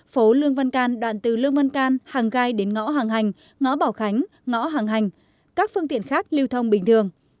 phố lương văn can đoạn từ lương văn can hàng gai đến ngõ hàng hành ngõ bảo khánh ngõ hàng hành các phương tiện khác lưu thông bình thường